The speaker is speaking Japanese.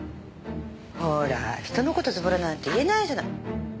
ほら人の事ズボラなんて言えないじゃない。